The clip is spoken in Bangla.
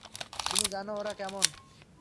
তুমি জানো ওরা কেমন?